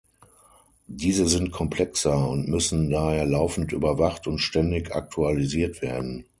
Diese sind komplexer und müssen daher laufend überwacht und ständig aktualisiert werden.